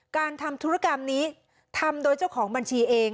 การทำธุรกรรมนี้ทำโดยเจ้าของบัญชีเอง